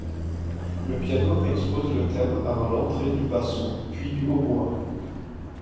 Le piano expose le thème avant l'entrée du basson puis du hautbois.